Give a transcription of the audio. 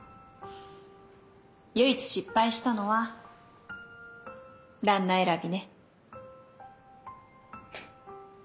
唯一失敗したのは旦那選びね。